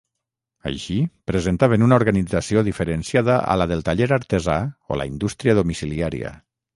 Així, presentaven una organització diferenciada a la del taller artesà o la indústria domiciliària.